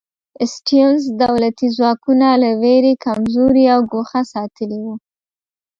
سټیونز دولتي ځواکونه له وېرې کمزوري او ګوښه ساتلي وو.